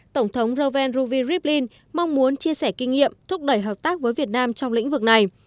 tổng thống reuven ruvi rivlin mong muốn chia sẻ kinh nghiệm thúc đẩy hợp tác với việt nam trong lĩnh vực này